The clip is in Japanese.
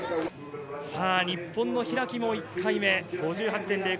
日本の開も１回目、５８．０５。